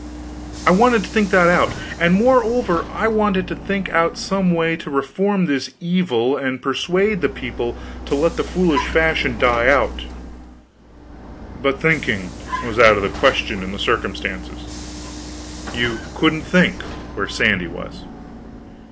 I wanted to think that out; and moreover I wanted to think out some way to reform this evil and persuade the people to let the foolish fashion die out; but thinking was out of the question in the circumstances. You couldn't think, where Sandy was.